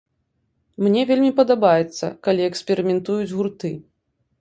Мне вельмі падабаецца, калі эксперыментуюць гурты.